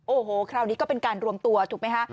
โอ้โหคราวนี้ก็เป็นการรวมตัวถูกไหมคะ